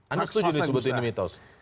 anak anak itu yang disebut ini mitos